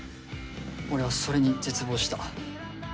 俺はそれに絶望した。